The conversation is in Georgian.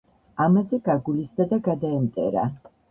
ამაზე გაგულისდა და გადაემტერა